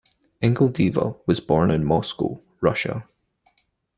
Ingildeeva was born in Moscow, Russia.